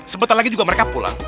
sebentar lagi juga mereka pulang